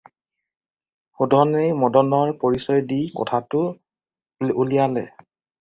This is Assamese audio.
সুধনেই মদনৰ পৰিচয় দি কথাটো উলিয়ালে।